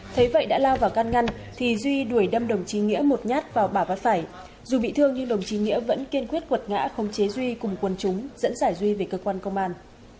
thấy vậy đã lao vào can ngăn thì duy đuổi đâm đồng chí nghĩa một nhát vào bà và phải dù bị thương nhưng đồng chí nghĩa vẫn kiên quyết quật ngã không chế duy cùng quân chúng dẫn giải duy về cơ quan công an